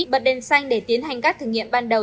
bật đèn xanh để tiến hành các thử nghiệm ban đầu